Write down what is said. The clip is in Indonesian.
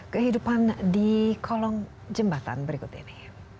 kehidupan di kolong jembatan berikut ini